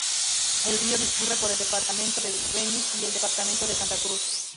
El río discurre por el departamento del Beni y el departamento de Santa Cruz.